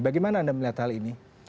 bagaimana anda melihat hal ini